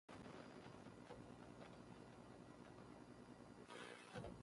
سیروان هێشتا نازانێت چی بکات.